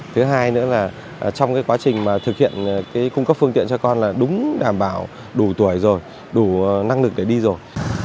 thứ hai nữa là trong cái quá trình mà thực hiện cung cấp phương tiện cho con là đúng đảm bảo đủ tuổi rồi đủ năng lực để đi rồi